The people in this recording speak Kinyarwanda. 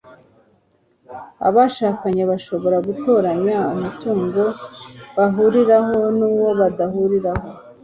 abashakanye bashobora gutoranya umutungo bahuriraho n'uwo badahuriraho